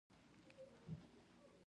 بېنډۍ د ډوډۍ لپاره مناسبه ملګرتیا ده